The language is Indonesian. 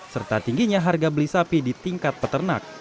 serta tingginya harga beli sapi di tingkat peternak